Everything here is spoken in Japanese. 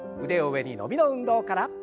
腕を上に伸びの運動から。